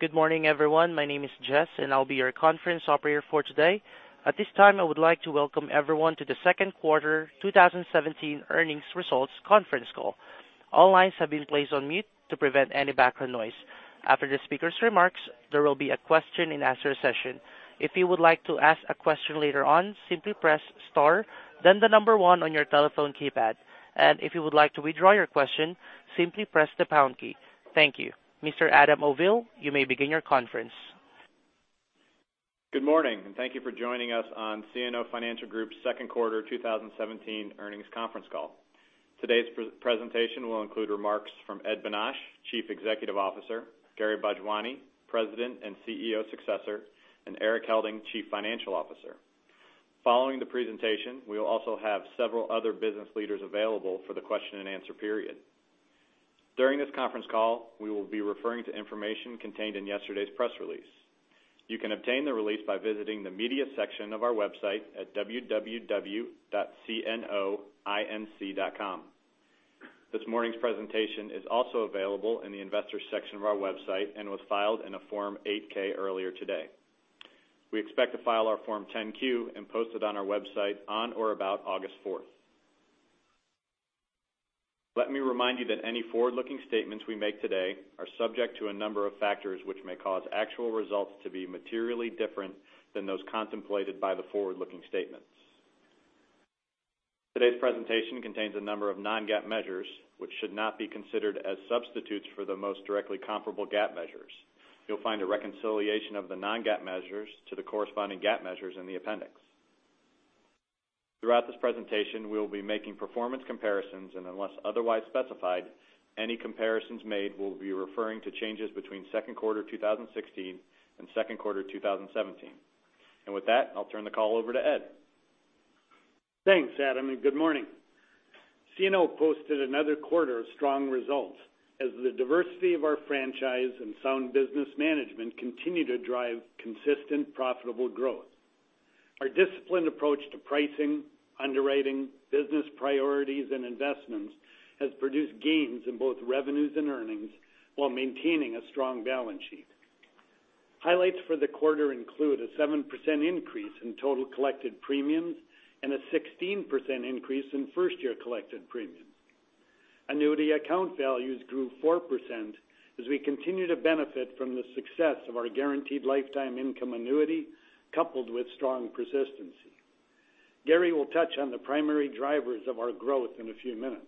Good morning, everyone. My name is Jess, and I'll be your conference operator for today. At this time, I would like to welcome everyone to the second quarter 2017 earnings results conference call. All lines have been placed on mute to prevent any background noise. After the speaker's remarks, there will be a question and answer session. If you would like to ask a question later on, simply press star, then the number 1 on your telephone keypad. If you would like to withdraw your question, simply press the pound key. Thank you. Mr. Adam Auvil, you may begin your conference. Good morning. Thank you for joining us on CNO Financial Group's second quarter 2017 earnings conference call. Today's presentation will include remarks from Ed Bonach, Chief Executive Officer, Gary Bhojwani, President and CEO successor, and Erik Helding, Chief Financial Officer. Following the presentation, we will also have several other business leaders available for the question and answer period. During this conference call, we will be referring to information contained in yesterday's press release. You can obtain the release by visiting the media section of our website at www.cnoinc.com. This morning's presentation is also available in the investor section of our website and was filed in a Form 8-K earlier today. We expect to file our Form 10-Q and post it on our website on or about August 4th. Let me remind you that any forward-looking statements we make today are subject to a number of factors which may cause actual results to be materially different than those contemplated by the forward-looking statements. Today's presentation contains a number of non-GAAP measures, which should not be considered as substitutes for the most directly comparable GAAP measures. You'll find a reconciliation of the non-GAAP measures to the corresponding GAAP measures in the appendix. Throughout this presentation, we will be making performance comparisons, and unless otherwise specified, any comparisons made will be referring to changes between second quarter 2016 and second quarter 2017. With that, I'll turn the call over to Ed. Thanks, Adam. Good morning. CNO posted another quarter of strong results as the diversity of our franchise and sound business management continue to drive consistent profitable growth. Our disciplined approach to pricing, underwriting, business priorities, and investments has produced gains in both revenues and earnings while maintaining a strong balance sheet. Highlights for the quarter include a 7% increase in total collected premiums and a 16% increase in first-year collected premiums. Annuity account values grew 4% as we continue to benefit from the success of our guaranteed lifetime income annuity, coupled with strong persistency. Gary will touch on the primary drivers of our growth in a few minutes.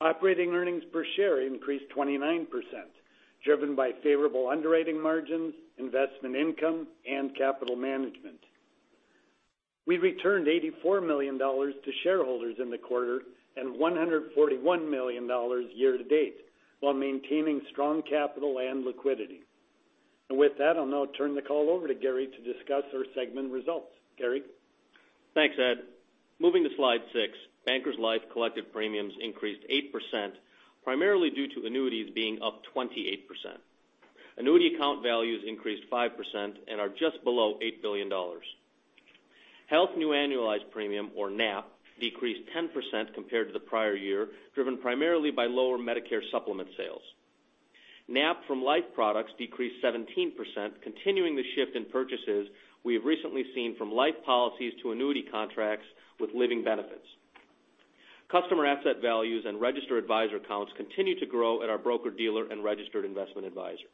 Operating earnings per share increased 29%, driven by favorable underwriting margins, investment income, and capital management. We returned $84 million to shareholders in the quarter and $141 million year to date while maintaining strong capital and liquidity. With that, I'll now turn the call over to Gary to discuss our segment results. Gary? Thanks, Ed. Moving to slide six, Bankers Life collected premiums increased 8%, primarily due to annuities being up 28%. Annuity account values increased 5% and are just below $8 billion. Health new annualized premium or NAP decreased 10% compared to the prior year, driven primarily by lower Medicare supplement sales. NAP from life products decreased 17%, continuing the shift in purchases we have recently seen from life policies to annuity contracts with living benefits. Customer asset values and registered advisor accounts continue to grow at our broker-dealer and registered investment advisor.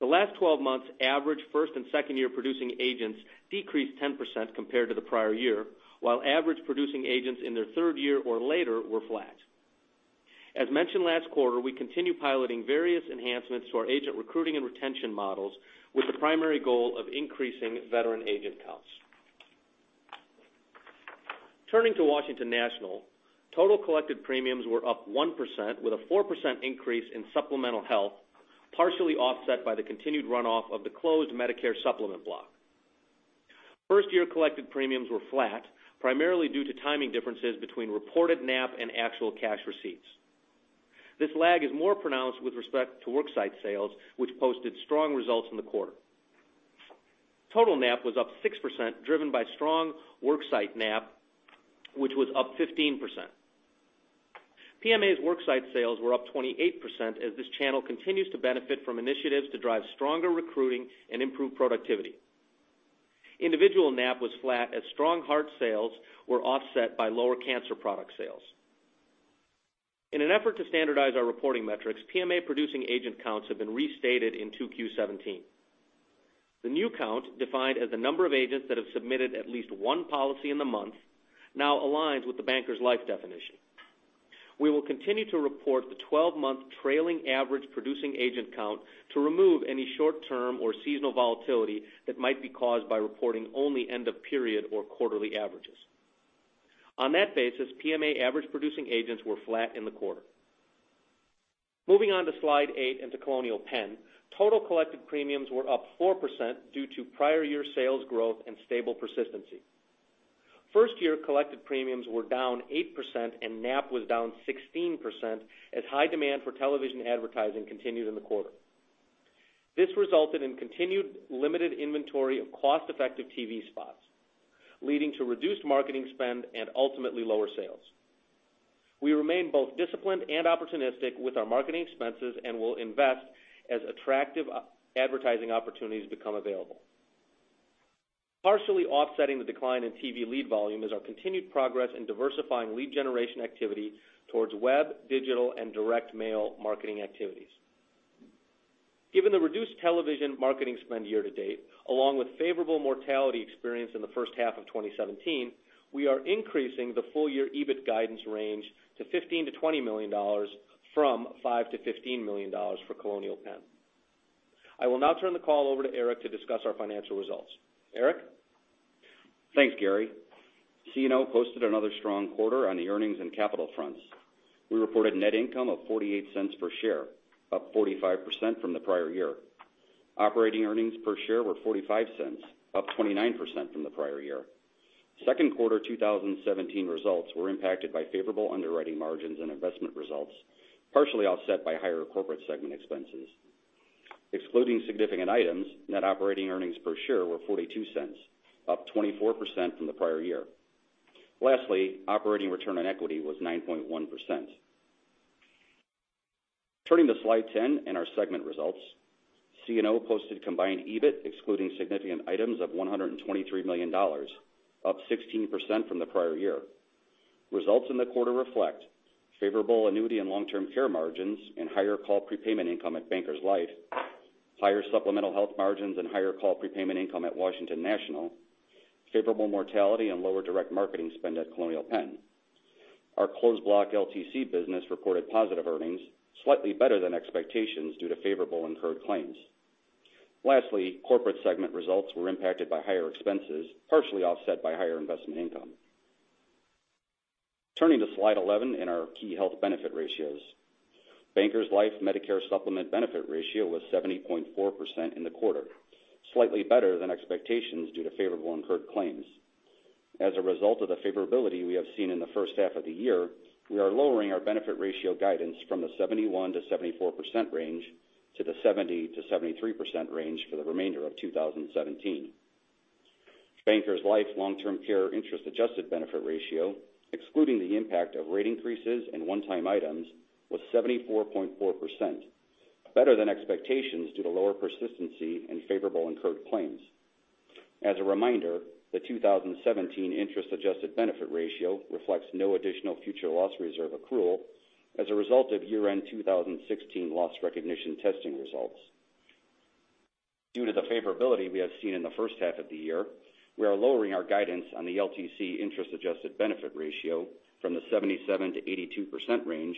The last 12 months average first and second-year producing agents decreased 10% compared to the prior year, while average producing agents in their third year or later were flat. As mentioned last quarter, we continue piloting various enhancements to our agent recruiting and retention models with the primary goal of increasing veteran agent counts. Turning to Washington National, total collected premiums were up 1% with a 4% increase in supplemental health, partially offset by the continued runoff of the closed Medicare supplement block. First-year collected premiums were flat, primarily due to timing differences between reported NAP and actual cash receipts. This lag is more pronounced with respect to worksite sales, which posted strong results in the quarter. Total NAP was up 6%, driven by strong worksite NAP, which was up 15%. PMA's worksite sales were up 28% as this channel continues to benefit from initiatives to drive stronger recruiting and improve productivity. Individual NAP was flat as strong hard sales were offset by lower cancer product sales. In an effort to standardize our reporting metrics, PMA producing agent counts have been restated in 2Q17. The new count, defined as the number of agents that have submitted at least one policy in the month, now aligns with the Bankers Life definition. We will continue to report the 12-month trailing average producing agent count to remove any short-term or seasonal volatility that might be caused by reporting only end of period or quarterly averages. On that basis, PMA average producing agents were flat in the quarter. Moving on to slide eight into Colonial Penn. Total collected premiums were up 4% due to prior year sales growth and stable persistency. First-year collected premiums were down 8% and NAP was down 16% as high demand for television advertising continued in the quarter. This resulted in continued limited inventory of cost-effective TV spots, leading to reduced marketing spend and ultimately lower sales. We remain both disciplined and opportunistic with our marketing expenses and will invest as attractive advertising opportunities become available. Partially offsetting the decline in TV lead volume is our continued progress in diversifying lead generation activity towards web, digital, and direct mail marketing activities. Given the reduced television marketing spend year-to-date, along with favorable mortality experience in the first half of 2017, we are increasing the full-year EBIT guidance range to $15 million-$20 million from $5 million-$15 million for Colonial Penn. I will now turn the call over to Erik to discuss our financial results. Erik? Thanks, Gary. CNO posted another strong quarter on the earnings and capital fronts. We reported net income of $0.48 per share, up 45% from the prior year. Operating earnings per share were $0.45, up 29% from the prior year. Second quarter 2017 results were impacted by favorable underwriting margins and investment results, partially offset by higher corporate segment expenses. Excluding significant items, net operating earnings per share were $0.42, up 24% from the prior year. Lastly, operating return on equity was 9.1%. Turning to slide 10 and our segment results. CNO posted combined EBIT excluding significant items of $123 million, up 16% from the prior year. Results in the quarter reflect favorable annuity and long-term care margins and higher call prepayment income at Bankers Life, higher supplemental health margins and higher call prepayment income at Washington National, favorable mortality and lower direct marketing spend at Colonial Penn. Our closed block LTC business reported positive earnings, slightly better than expectations due to favorable incurred claims. Lastly, corporate segment results were impacted by higher expenses, partially offset by higher investment income. Turning to slide 11 and our key health benefit ratios. Bankers Life Medicare supplement benefit ratio was 70.4% in the quarter, slightly better than expectations due to favorable incurred claims. As a result of the favorability we have seen in the first half of the year, we are lowering our benefit ratio guidance from the 71%-74% range to the 70%-73% range for the remainder of 2017. Bankers Life long-term care interest adjusted benefit ratio, excluding the impact of rate increases and one-time items, was 74.4%, better than expectations due to lower persistency and favorable incurred claims. As a reminder, the 2017 interest-adjusted benefit ratio reflects no additional future loss reserve accrual as a result of year-end 2016 loss recognition testing results. Due to the favorability we have seen in the first half of the year, we are lowering our guidance on the LTC interest-adjusted benefit ratio from the 77%-82% range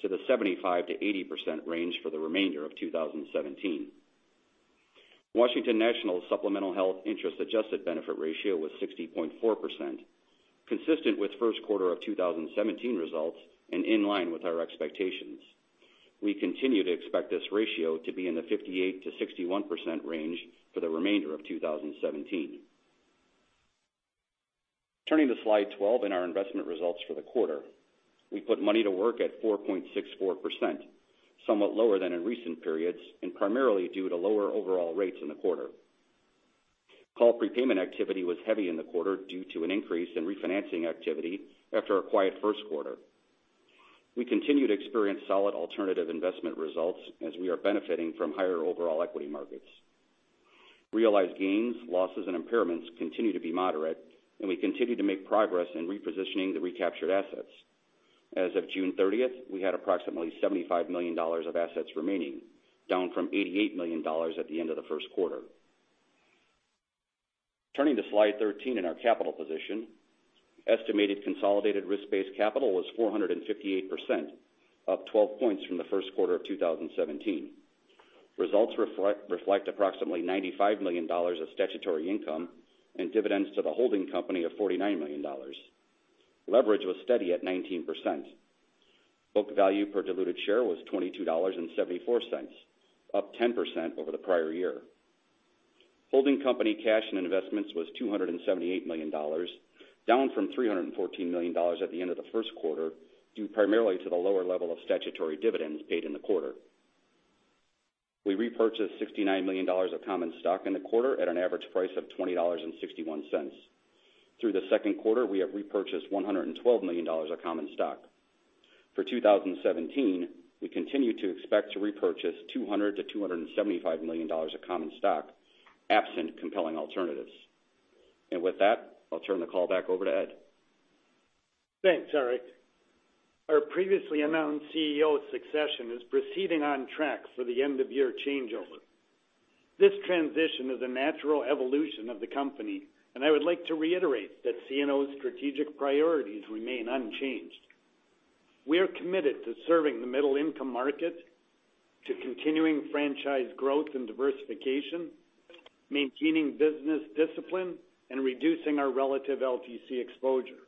to the 75%-80% range for the remainder of 2017. Washington National supplemental health interest-adjusted benefit ratio was 60.4%, consistent with first quarter of 2017 results and in line with our expectations. We continue to expect this ratio to be in the 58%-61% range for the remainder of 2017. Turning to slide 12 and our investment results for the quarter. We put money to work at 4.64%, somewhat lower than in recent periods and primarily due to lower overall rates in the quarter. Call prepayment activity was heavy in the quarter due to an increase in refinancing activity after a quiet first quarter. We continue to experience solid alternative investment results as we are benefiting from higher overall equity markets. Realized gains, losses, and impairments continue to be moderate, and we continue to make progress in repositioning the recaptured assets. As of June 30th, we had approximately $75 million of assets remaining, down from $88 million at the end of the first quarter. Turning to slide 13 and our capital position. Estimated consolidated risk-based capital was 458%, up 12 points from the first quarter of 2017. Results reflect approximately $95 million of statutory income and dividends to the holding company of $49 million. Leverage was steady at 19%. Book value per diluted share was $22.74, up 10% over the prior year. Holding company cash and investments was $278 million, down from $314 million at the end of the first quarter, due primarily to the lower level of statutory dividends paid in the quarter. We repurchased $69 million of common stock in the quarter at an average price of $20.61. Through the second quarter, we have repurchased $112 million of common stock. For 2017, we continue to expect to repurchase $200 million-$275 million of common stock, absent compelling alternatives. With that, I'll turn the call back over to Ed. Thanks, Erik. Our previously announced CEO succession is proceeding on track for the end-of-year changeover. This transition is a natural evolution of the company, and I would like to reiterate that CNO's strategic priorities remain unchanged. We are committed to serving the middle-income market, to continuing franchise growth and diversification, maintaining business discipline, and reducing our relative LTC exposure.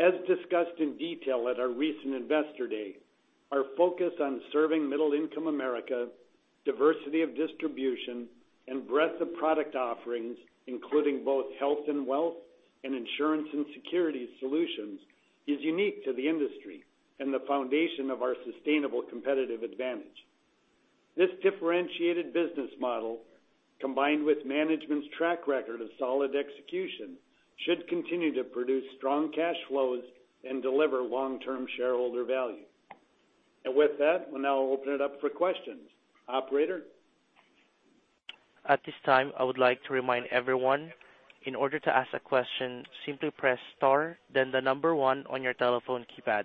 As discussed in detail at our recent Investor Day, our focus on serving middle-income America, diversity of distribution, and breadth of product offerings, including both health and wealth and insurance and security solutions Is unique to the industry and the foundation of our sustainable competitive advantage. This differentiated business model, combined with management's track record of solid execution, should continue to produce strong cash flows and deliver long-term shareholder value. With that, we'll now open it up for questions. Operator? At this time, I would like to remind everyone, in order to ask a question, simply press star then the number 1 on your telephone keypad.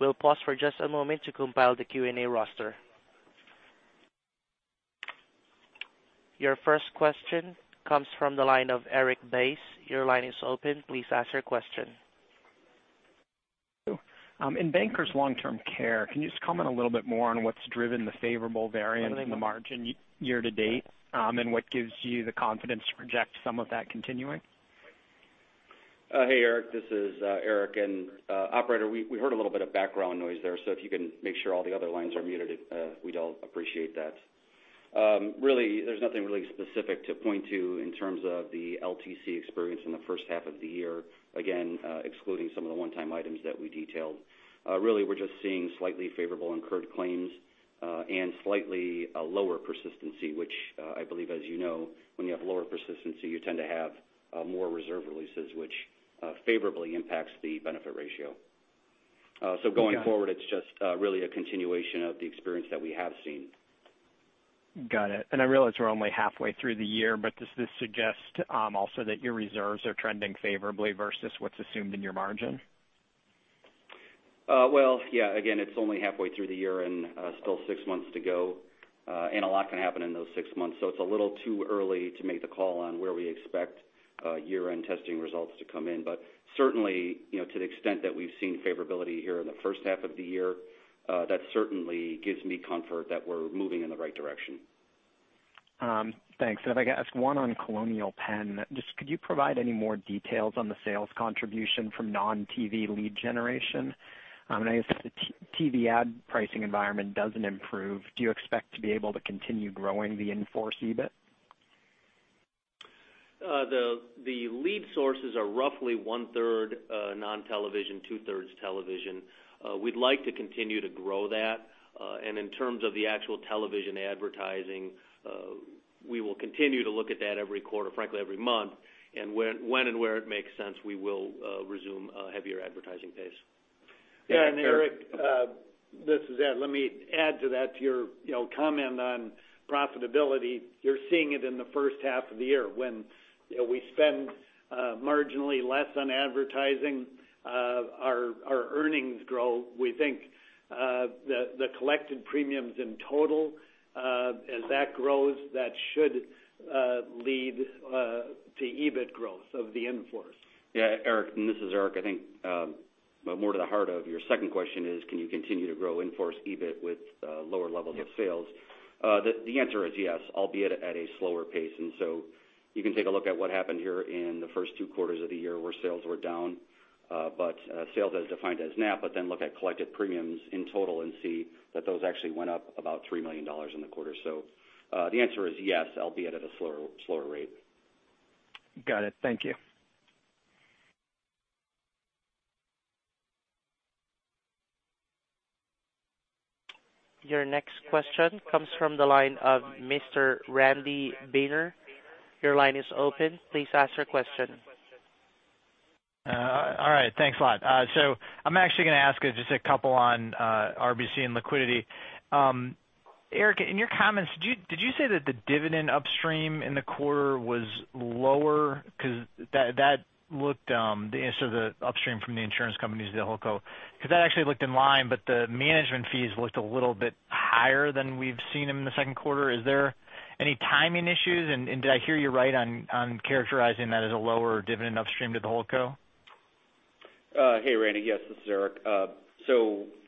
We'll pause for just a moment to compile the Q&A roster. Your first question comes from the line of Erik Bass. Your line is open. Please ask your question. In Bankers long term care, can you just comment a little bit more on what's driven the favorable variance in the margin year-to-date, and what gives you the confidence to project some of that continuing? Hey, Erik, this is Erik. Operator, we heard a little bit of background noise there, so if you can make sure all the other lines are muted, we'd all appreciate that. There's nothing really specific to point to in terms of the LTC experience in the first half of the year. Again, excluding some of the one-time items that we detailed. Really, we're just seeing slightly favorable incurred claims, and slightly a lower persistency, which I believe, as you know, when you have lower persistency, you tend to have more reserve releases, which favorably impacts the benefit ratio. Going forward, it's just really a continuation of the experience that we have seen. Got it. I realize we're only halfway through the year, but does this suggest, also that your reserves are trending favorably versus what's assumed in your margin? Well, yeah. Again, it's only halfway through the year and still six months to go. A lot can happen in those six months, it's a little too early to make the call on where we expect year-end testing results to come in. Certainly, to the extent that we've seen favorability here in the first half of the year, that certainly gives me comfort that we're moving in the right direction. Thanks. If I could ask one on Colonial Penn. Just could you provide any more details on the sales contribution from non-TV lead generation? I guess if the TV ad pricing environment doesn't improve, do you expect to be able to continue growing the in-force EBIT? The lead sources are roughly one-third non-television, two-thirds television. We'd like to continue to grow that. In terms of the actual television advertising, we will continue to look at that every quarter, frankly, every month. When and where it makes sense, we will resume a heavier advertising pace. Yeah. Erik, this is Ed. Let me add to that, to your comment on profitability. You're seeing it in the first half of the year when we spend marginally less on advertising, our earnings grow. We think the collected premiums in total, as that grows, that should lead to EBIT growth of the in-force. Yeah. Erik, this is Erik. I think, more to the heart of your second question is, can you continue to grow in-force EBIT with lower levels of sales? The answer is yes, albeit at a slower pace. You can take a look at what happened here in the first two quarters of the year where sales were down. Sales as defined as NAP, look at collected premiums in total and see that those actually went up about $3 million in the quarter. The answer is yes, albeit at a slower rate. Got it. Thank you. Your next question comes from the line of Mr. Randy Binner. Your line is open. Please ask your question. Right. Thanks a lot. I'm actually going to ask just a couple on RBC and liquidity. Erik, in your comments, did you say that the dividend upstream in the quarter was lower? The answer to the upstream from the insurance companies to the holdco. That actually looked in line, but the management fees looked a little bit higher than we've seen them in the second quarter. Is there any timing issues? Did I hear you right on characterizing that as a lower dividend upstream to the holdco? Hey, Randy. Yes, this is Erik.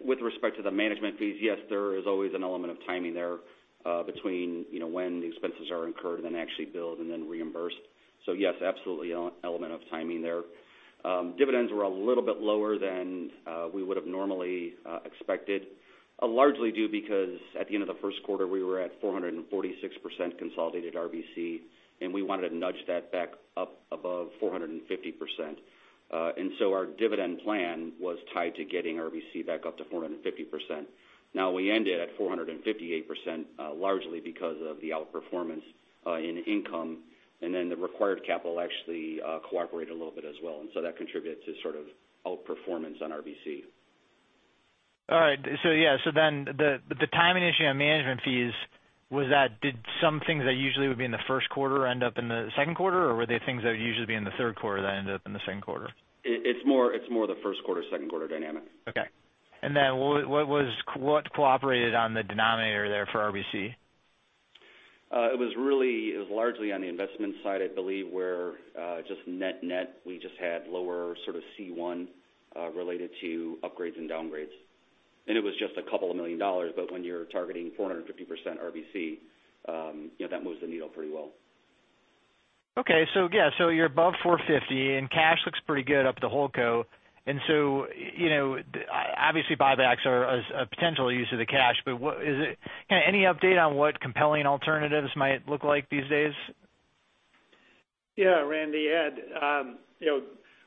With respect to the management fees, yes, there is always an element of timing there, between when the expenses are incurred and then actually billed and then reimbursed. Yes, absolutely an element of timing there. Dividends were a little bit lower than we would've normally expected, largely due because at the end of the first quarter, we were at 446% consolidated RBC, and we wanted to nudge that back up above 450%. Our dividend plan was tied to getting RBC back up to 450%. Now, we ended at 458%, largely because of the outperformance in income. The required capital actually cooperated a little bit as well. That contributes to sort of outperformance on RBC. All right. Yeah. The timing issue on management fees, did some things that usually would be in the first quarter end up in the second quarter? Or were they things that would usually be in the third quarter that ended up in the second quarter? It's more the first quarter/second quarter dynamic. Okay. What cooperated on the denominator there for RBC? It was largely on the investment side, I believe, where just net-net, we just had lower sort of C1 related to upgrades and downgrades. It was just a couple of million dollars, but when you're targeting 450% RBC, that moves the needle pretty well. You're above $450, and cash looks pretty good up at the holdco. Obviously buybacks are a potential use of the cash. Any update on what compelling alternatives might look like these days? Yeah, Randy, Ed.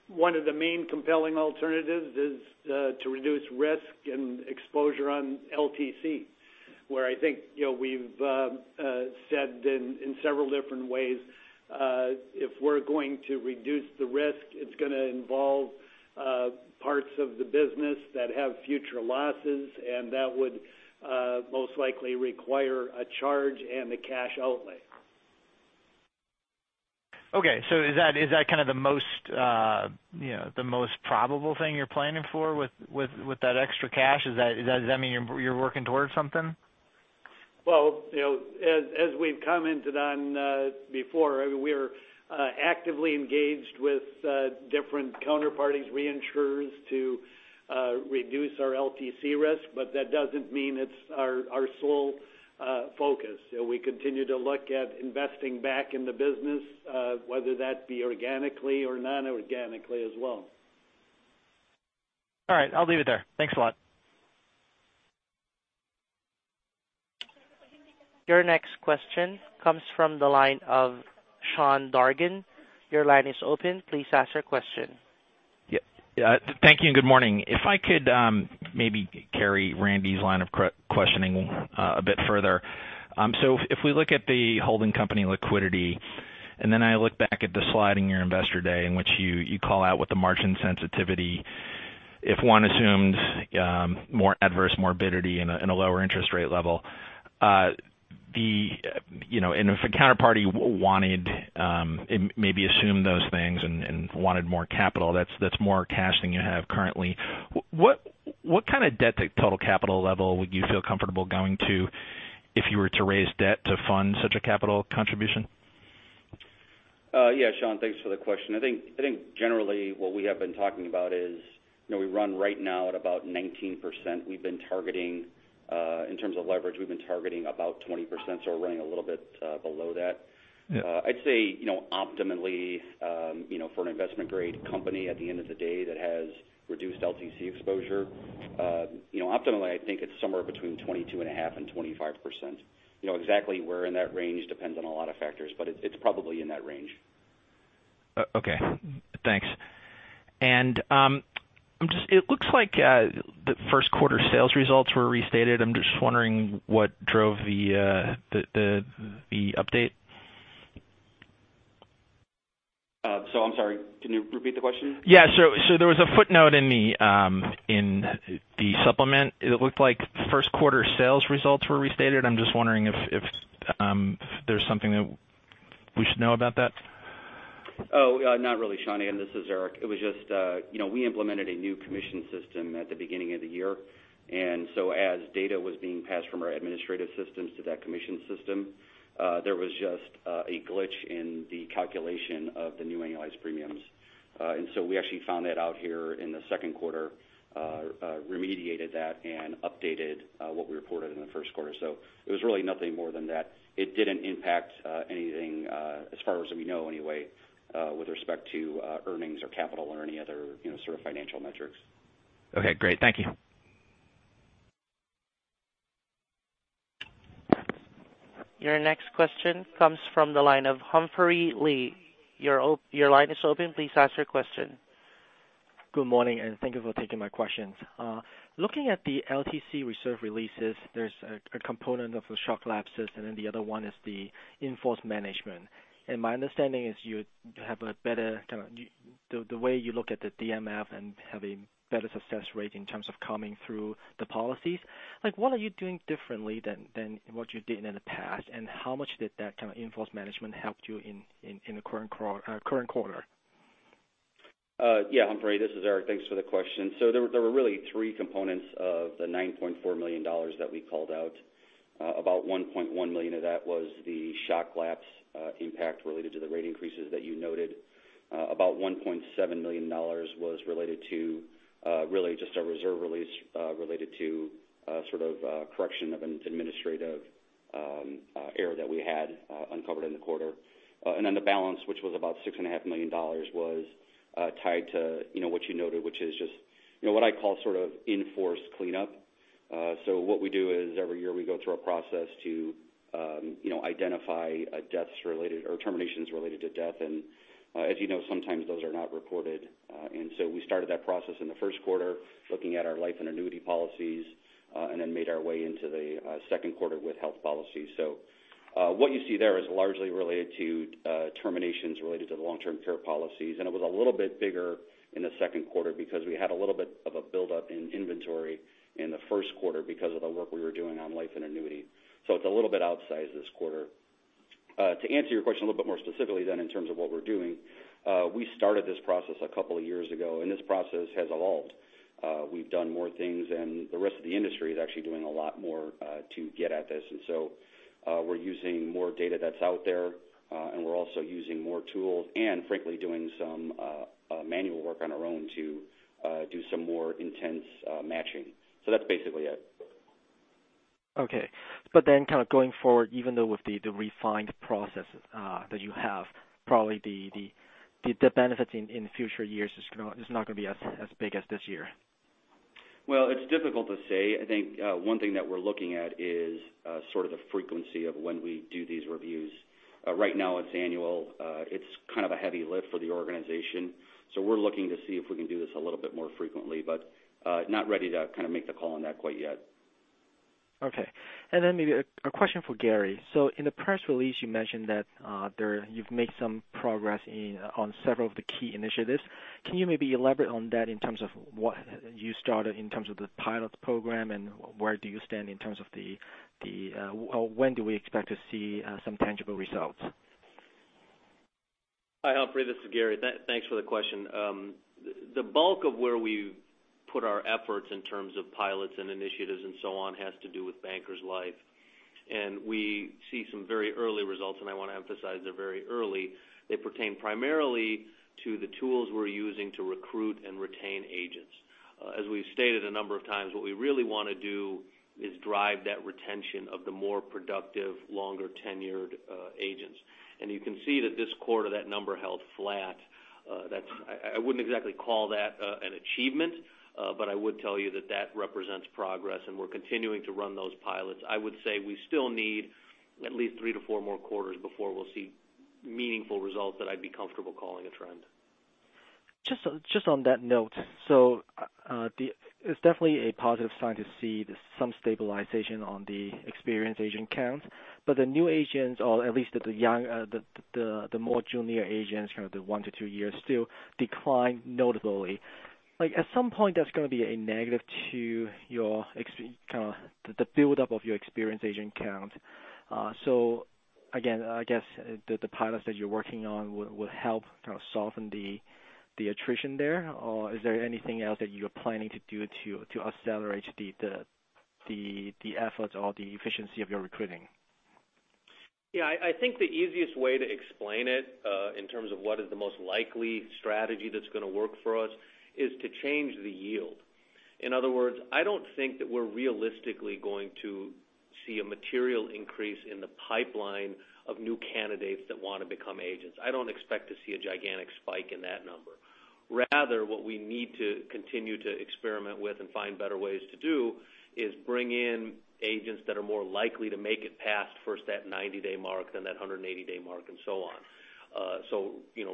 One of the main compelling alternatives is to reduce risk and exposure on LTC, where I think we've said in several different ways, if we're going to reduce the risk, it's going to involve parts of the business that have future losses, and that would most likely require a charge and a cash outlay. Is that the most probable thing you're planning for with that extra cash? Does that mean you're working towards something? As we've commented on before, we're actively engaged with different counterparties, reinsurers to reduce our LTC risk, that doesn't mean it's our sole focus. We continue to look at investing back in the business, whether that be organically or non-organically as well. All right. I'll leave it there. Thanks a lot. Your next question comes from the line of Sean Dargan. Your line is open. Please ask your question. Thank you and good morning. If I could maybe carry Randy's line of questioning a bit further. If we look at the holding company liquidity, and then I look back at the slide in your investor day in which you call out what the margin sensitivity, if one assumes more adverse morbidity and a lower interest rate level. If a counterparty wanted, maybe assume those things, and wanted more capital, that's more cash than you have currently. What kind of debt to total capital level would you feel comfortable going to if you were to raise debt to fund such a capital contribution? Yeah, Sean, thanks for the question. I think generally what we have been talking about is we run right now at about 19%. In terms of leverage, we've been targeting about 20%, so we're running a little bit below that. Yeah. I'd say optimally, for an investment-grade company at the end of the day that has reduced LTC exposure, optimally, I think it's somewhere between 22.5% and 25%. Exactly where in that range depends on a lot of factors, but it's probably in that range. Okay, thanks. It looks like the first quarter sales results were restated. I'm just wondering what drove the update. I'm sorry, can you repeat the question? Yeah. There was a footnote in the supplement. It looked like first quarter sales results were restated. I'm just wondering if there's something that we should know about that. Oh, not really, Sean. This is Erik. As data was being passed from our administrative systems to that commission system, there was just a glitch in the calculation of the new annualized premiums. We actually found that out here in the second quarter, remediated that, and updated what we reported in the first quarter. It was really nothing more than that. It didn't impact anything, as far as we know anyway, with respect to earnings or capital or any other sort of financial metrics. Okay, great. Thank you. Your next question comes from the line of Humphrey Lee. Your line is open. Please ask your question. Good morning, thank you for taking my questions. Looking at the LTC reserve releases, there's a component of the shock lapses, the other one is the in-force management. My understanding is you have a better kind of, the way you look at the DMF and have a better success rate in terms of coming through the policies. What are you doing differently than what you did in the past, and how much did that kind of in-force management help you in the current quarter? Humphrey, this is Erik. Thanks for the question. There were really three components of the $9.4 million that we called out. About $1.1 million of that was the shock lapse impact related to the rate increases that you noted. About $1.7 million was related to really just a reserve release related to correction of an administrative error that we had uncovered in the quarter. The balance, which was about $6.5 million, was tied to what you noted, which is just what I call in-force cleanup. What we do is every year we go through a process to identify terminations related to death, and as you know, sometimes those are not recorded. We started that process in the first quarter, looking at our life and annuity policies, and then made our way into the second quarter with health policies. What you see there is largely related to terminations related to the long-term care policies, and it was a little bit bigger in the second quarter because we had a little bit of a buildup in inventory in the first quarter because of the work we were doing on life and annuity. It's a little bit outsized this quarter. To answer your question a little bit more specifically in terms of what we're doing, we started this process a couple of years ago, and this process has evolved. We've done more things, and the rest of the industry is actually doing a lot more to get at this. We're using more data that's out there, and we're also using more tools and frankly, doing some manual work on our own to do some more intense matching. That's basically it. Okay. Going forward, even though with the refined process that you have, probably the benefits in future years is not going to be as big as this year. Well, it's difficult to say. I think one thing that we're looking at is the frequency of when we do these reviews. Right now it's annual. It's a heavy lift for the organization. We're looking to see if we can do this a little bit more frequently, but not ready to make the call on that quite yet. Okay. Then maybe a question for Gary. In the press release, you mentioned that you've made some progress on several of the key initiatives. Can you maybe elaborate on that in terms of what you started in terms of the pilot program, or when do we expect to see some tangible results? Hi, Humphrey. This is Gary. Thanks for the question. The bulk of where we put our efforts in terms of pilots and initiatives and so on has to do with Bankers Life. We see some very early results, and I want to emphasize they're very early. They pertain primarily to the tools we're using to recruit and retain agents. As we've stated a number of times, what we really want to do is drive that retention of the more productive, longer-tenured agents. You can see that this quarter, that number held flat. I wouldn't exactly call that an achievement. I would tell you that that represents progress and we're continuing to run those pilots. I would say we still need at least three to four more quarters before we'll see meaningful results that I'd be comfortable calling a trend. Just on that note. It's definitely a positive sign to see some stabilization on the experienced agent count. The new agents, or at least the more junior agents, kind of the one to two years, still decline notably. At some point, that's going to be a negative to the buildup of your experienced agent count. Again, I guess the pilots that you're working on will help kind of soften the attrition there? Is there anything else that you're planning to do to accelerate the efforts or the efficiency of your recruiting? Yeah, I think the easiest way to explain it, in terms of what is the most likely strategy that's going to work for us, is to change the yield. In other words, I don't think that we're realistically going to see a material increase in the pipeline of new candidates that want to become agents. I don't expect to see a gigantic spike in that number. Rather, what we need to continue to experiment with and find better ways to do is bring in agents that are more likely to make it past first that 90-day mark, then that 180-day mark and so on.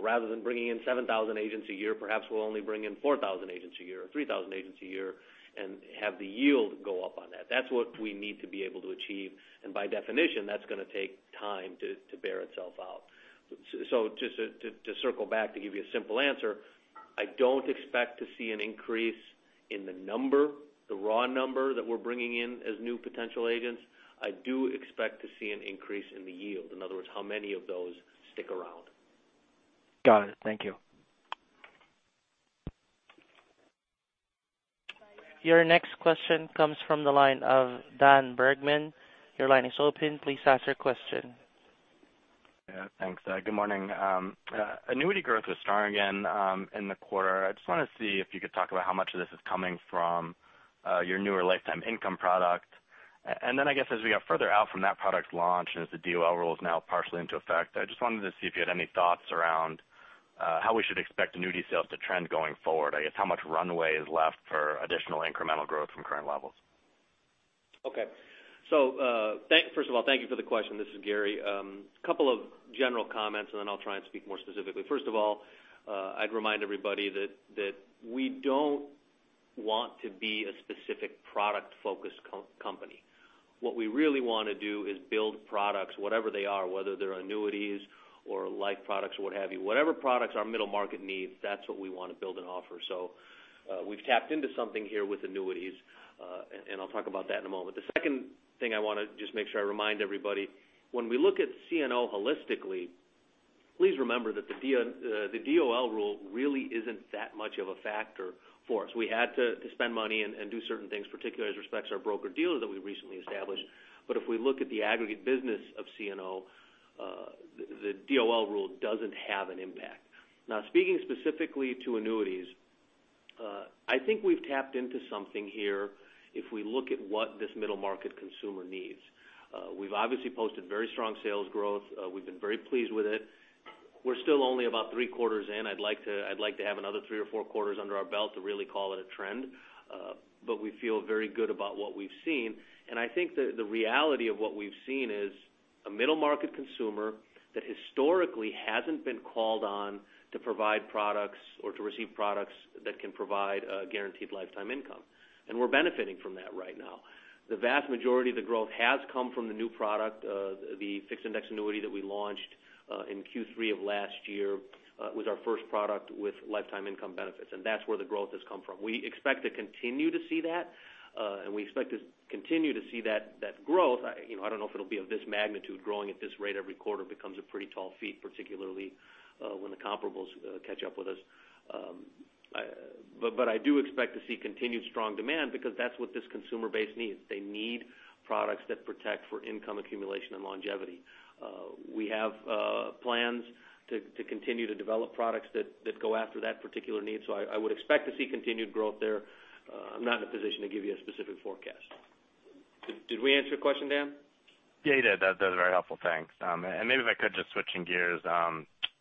Rather than bringing in 7,000 agents a year, perhaps we'll only bring in 4,000 agents a year or 3,000 agents a year and have the yield go up on that. That's what we need to be able to achieve, by definition, that's going to take time to bear itself out. Just to circle back, to give you a simple answer, I don't expect to see an increase in the number, the raw number that we're bringing in as new potential agents. I do expect to see an increase in the yield. In other words, how many of those stick around. Got it. Thank you. Your next question comes from the line of Daniel Bergman. Your line is open. Please ask your question. Thanks. Good morning. Annuity growth is strong again in the quarter. I just want to see if you could talk about how much of this is coming from your newer lifetime income product. Then I guess as we got further out from that product launch and as the DOL rule is now partially into effect, I just wanted to see if you had any thoughts around how we should expect annuity sales to trend going forward. I guess how much runway is left for additional incremental growth from current levels? Okay. First of all, thank you for the question. This is Gary. Couple of general comments and then I'll try and speak more specifically. First of all, I'd remind everybody that we don't want to be a specific product-focused company. What we really want to do is build products, whatever they are, whether they're annuities or life products or what have you. Whatever products our middle market needs, that's what we want to build and offer. We've tapped into something here with annuities, and I'll talk about that in a moment. The second thing I want to just make sure I remind everybody, when we look at CNO holistically, please remember that the DOL rule really isn't that much of a factor for us. We had to spend money and do certain things, particularly as it respects our broker-dealer that we recently established. If we look at the aggregate business of CNO, the DOL rule doesn't have an impact. Now, speaking specifically to annuities, I think we've tapped into something here if we look at what this middle market consumer needs. We've obviously posted very strong sales growth. We've been very pleased with it. We're still only about three quarters in. I'd like to have another three or four quarters under our belt to really call it a trend. We feel very good about what we've seen. I think the reality of what we've seen is a middle market consumer that historically hasn't been called on to provide products or to receive products that can provide a Guaranteed Lifetime Income. We're benefiting from that right now. The vast majority of the growth has come from the new product, the Fixed Indexed Annuity that we launched in Q3 of last year, was our first product with lifetime income benefits, and that's where the growth has come from. We expect to continue to see that, and we expect to continue to see that growth. I don't know if it'll be of this magnitude. Growing at this rate every quarter becomes a pretty tall feat, particularly when the comparables catch up with us. I do expect to see continued strong demand because that's what this consumer base needs. They need products that protect for income accumulation and longevity. We have plans to continue to develop products that go after that particular need. I would expect to see continued growth there. I'm not in a position to give you a specific forecast Did we answer your question, Dan? Yeah, you did. That was very helpful. Thanks. Maybe if I could, just switching gears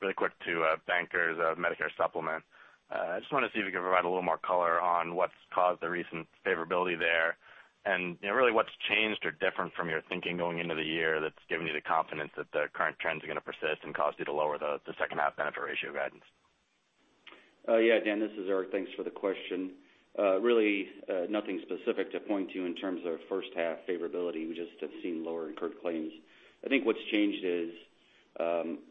really quick to Bankers Medicare supplement. I just want to see if you can provide a little more color on what's caused the recent favorability there, and really what's changed or different from your thinking going into the year that's given you the confidence that the current trends are going to persist and caused you to lower the second half benefit ratio guidance. Yeah, Daniel, this is Erik. Thanks for the question. Really nothing specific to point to in terms of first half favorability. We just have seen lower incurred claims. I think what's changed is,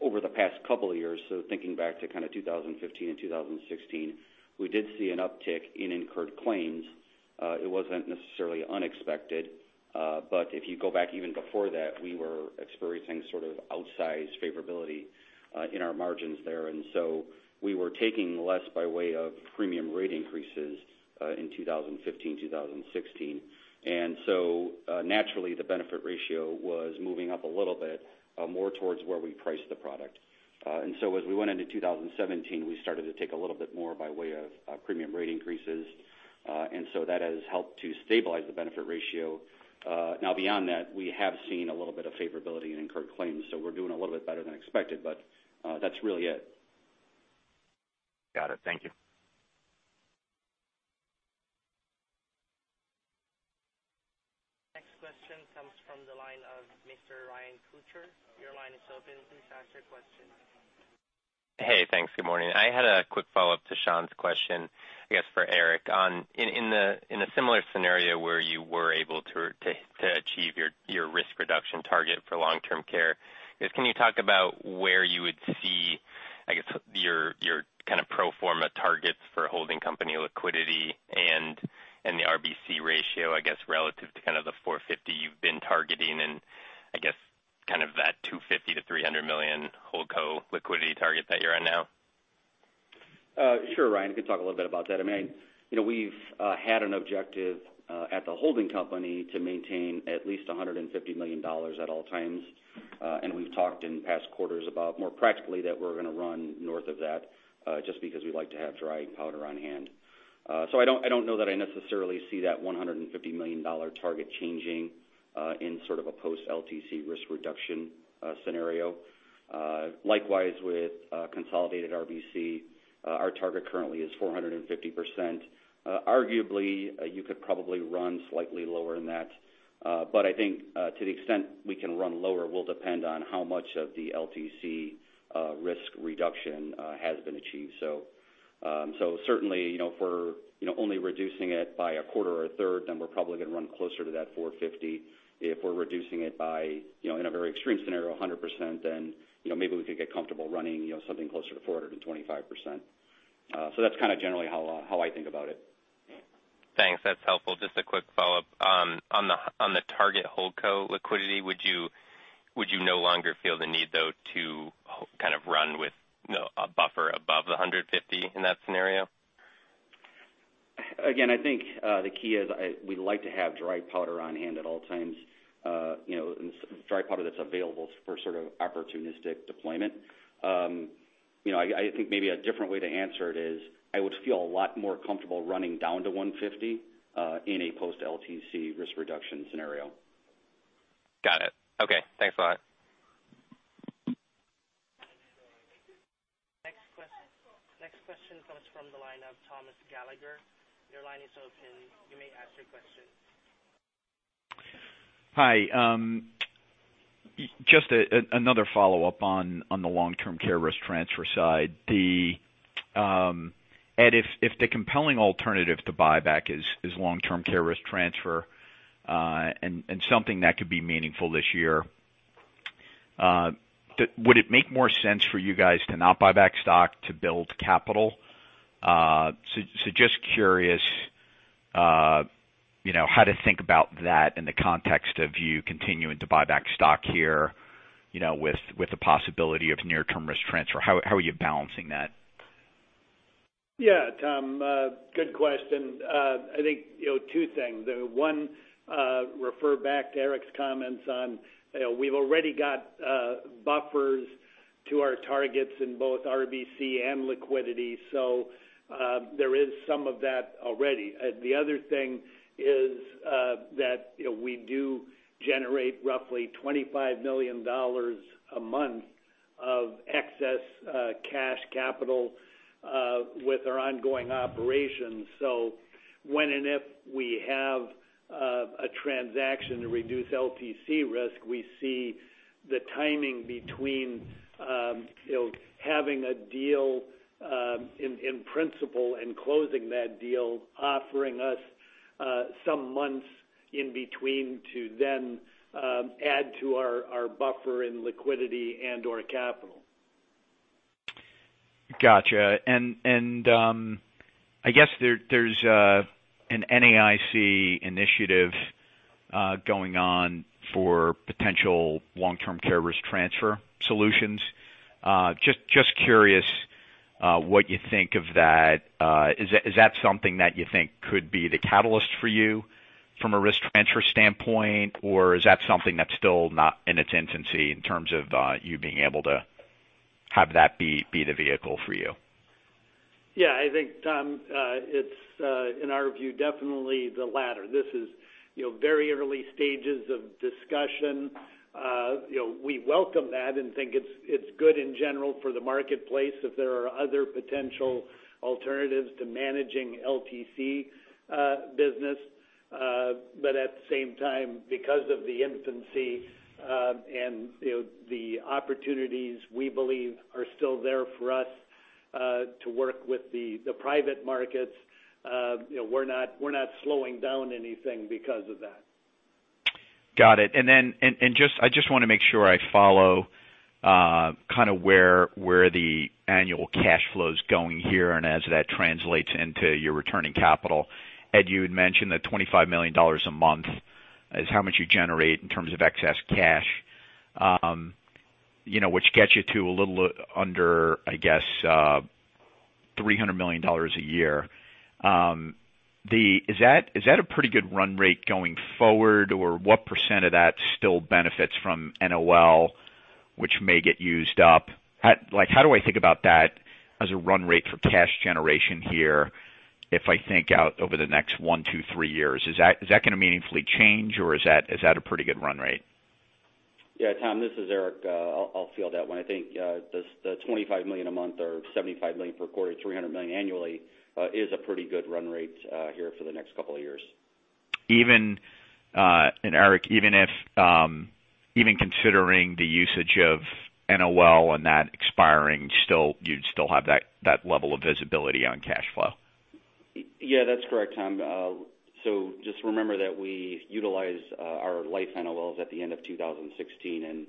over the past couple of years, so thinking back to kind of 2015 and 2016, we did see an uptick in incurred claims. It wasn't necessarily unexpected. If you go back even before that, we were experiencing sort of outsized favorability in our margins there. We were taking less by way of premium rate increases in 2015, 2016. Naturally, the benefit ratio was moving up a little bit more towards where we priced the product. As we went into 2017, we started to take a little bit more by way of premium rate increases. That has helped to stabilize the benefit ratio. Now, beyond that, we have seen a little bit of favorability in incurred claims. We're doing a little bit better than expected, but that's really it. Got it. Thank you. Next question comes from the line of Mr. Ryan Krueger. Your line is open. Please ask your question. Hey, thanks. Good morning. I had a quick follow-up to Sean's question, I guess, for Erik on in a similar scenario where you were able to achieve your risk reduction target for long-term care, I guess can you talk about where you would see, I guess, your kind of pro forma targets for holding company liquidity and the RBC ratio, I guess, relative to kind of the 450 you've been targeting and I guess kind of that $250 million-$300 million Holdco liquidity target that you're on now? Sure, Ryan, could talk a little bit about that. We've had an objective at the holding company to maintain at least $150 million at all times. We've talked in past quarters about more practically that we're going to run north of that, just because we like to have dry powder on hand. I don't know that I necessarily see that $150 million target changing in sort of a post-LTC risk reduction scenario. Likewise, with consolidated RBC, our target currently is 450%. Arguably, you could probably run slightly lower than that. I think to the extent we can run lower will depend on how much of the LTC risk reduction has been achieved. Certainly, if we're only reducing it by a quarter or a third, then we're probably going to run closer to that 450. If we're reducing it by, in a very extreme scenario, 100%, maybe we could get comfortable running something closer to 425%. That's kind of generally how I think about it. Thanks. That's helpful. Just a quick follow-up. On the target Holdco liquidity, would you no longer feel the need, though, to kind of run with a buffer above the 150 in that scenario? Again, I think the key is we like to have dry powder on hand at all times. Dry powder that's available for sort of opportunistic deployment. I think maybe a different way to answer it is I would feel a lot more comfortable running down to 150 in a post-LTC risk reduction scenario. Got it. Okay. Thanks a lot. Next question comes from the line of Thomas Gallagher. Your line is open. You may ask your question. Hi. Just another follow-up on the long-term care risk transfer side. Ed, if the compelling alternative to buyback is long-term care risk transfer, and something that could be meaningful this year, would it make more sense for you guys to not buy back stock to build capital? Just curious how to think about that in the context of you continuing to buy back stock here with the possibility of near-term risk transfer. How are you balancing that? Yeah, Tom. Good question. I think 2 things. One, refer back to Erik's comments on we've already got buffers to our targets in both RBC and liquidity, there is some of that already. The other thing is that we do generate roughly $25 million a month of excess cash capital with our ongoing operations. When and if we have a transaction to reduce LTC risk, we see the timing between having a deal in principle and closing that deal offering us some months in between to then add to our buffer in liquidity and/or capital. Got you. I guess there's an NAIC initiative going on for potential long-term care risk transfer solutions. Just curious what you think of that. Is that something that you think could be the catalyst for you from a risk transfer standpoint, or is that something that's still not in its infancy in terms of you being able to have that be the vehicle for you? Yeah, I think, Tom, it's, in our view, definitely the latter. This is very early stages of discussion. We welcome that and think it's good in general for the marketplace if there are other potential alternatives to managing LTC business. At the same time, because of the infancy and the opportunities we believe are still there for us to work with the private markets, we're not slowing down anything because of that. Got it. I just want to make sure I follow where the annual cash flow is going here and as that translates into your returning capital. Ed, you had mentioned that $25 million a month is how much you generate in terms of excess cash which gets you to a little under, I guess, $300 million a year. Is that a pretty good run rate going forward? Or what percent of that still benefits from NOL, which may get used up? How do I think about that as a run rate for cash generation here, if I think out over the next one, two, three years? Is that going to meaningfully change, or is that a pretty good run rate? Yeah, Tom, this is Erik. I'll field that one. I think the $25 million a month or $75 million per quarter, $300 million annually, is a pretty good run rate here for the next couple of years. Erik, even considering the usage of NOL and that expiring, you'd still have that level of visibility on cash flow. Yeah, that's correct, Tom. Just remember that we utilize our life NOLs at the end of 2016 and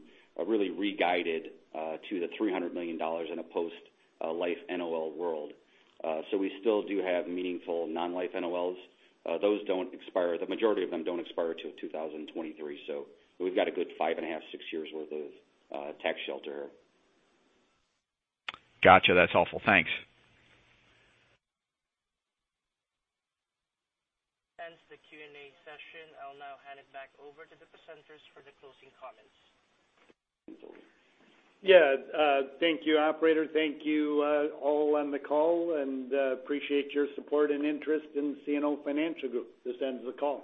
really re-guided to the $300 million in a post-life NOL world. We still do have meaningful non-life NOLs. The majority of them don't expire till 2023, so we've got a good five and a half, six years worth of tax shelter. Got you. That's all folks. Thanks. That ends the Q&A session. I'll now hand it back over to the presenters for the closing comments. Yeah. Thank you, operator. Thank you all on the call, and appreciate your support and interest in CNO Financial Group. This ends the call.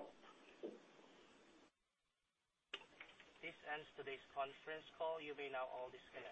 This ends today's conference call. You may now all disconnect.